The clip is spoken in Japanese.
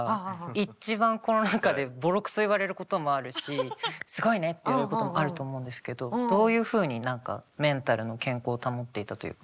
一番この中でボロクソ言われることもあるしすごいねって言われることもあると思うんですけどどういうふうに何かメンタルの健康を保っていたというか。